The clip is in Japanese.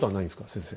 先生。